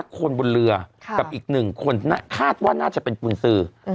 คนบนเรือกับอีก๑คนคาดว่าน่าจะเป็นกุญสือ